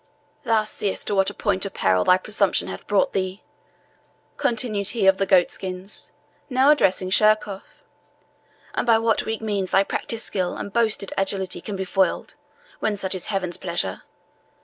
"Thou seest to what a point of peril thy presumption hath brought thee," continued he of the goat skins, now addressing Sheerkohf, "and by what weak means thy practised skill and boasted agility can be foiled, when such is Heaven's pleasure.